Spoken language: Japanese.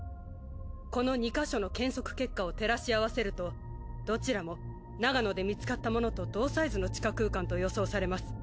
この２か所の検測結果を照らし合わせるとどちらも長野で見つかったものと同サイズの地下空間と予想されます。